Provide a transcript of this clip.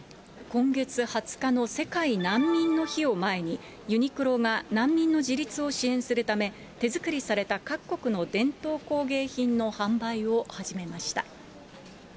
今月２０日の世界難民の日を前に、ユニクロが難民の自立を支援するため、手作りされた各国の伝統工芸品の販売を始めました。